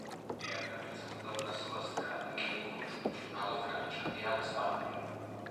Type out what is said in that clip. È attraversato da una sola strada che lo congiunge alla Francia e alla Spagna.